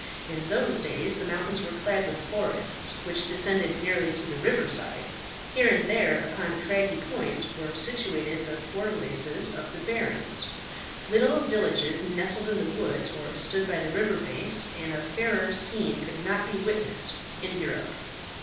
In those days the mountains were clad with forests, which descended nearly to the river side. Here and there, upon craggy points, were situate the fortalices of the barons. Little villages nestled in the woods, or stood by the river bank, and a fairer scene could not be witnessed in Europe.